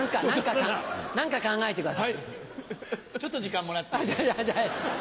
ちょっと時間もらって。